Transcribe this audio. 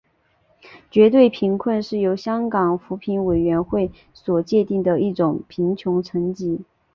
绝对贫穷是由香港扶贫委员会所界定的一种贫穷层级。